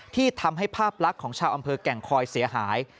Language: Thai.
ที่ทำให้ภาพลักษณ์ของชาวอำเภอแก่งคอยเสียหาย